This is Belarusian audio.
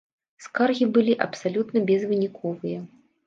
Скаргі былі абсалютна безвыніковыя.